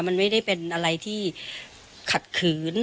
มันไม่ได้เป็นอะไรที่ขัดขืน